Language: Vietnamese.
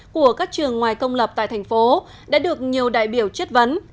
của các trường ngoài công lập tại thành phố đã được nhiều đại biểu chất vấn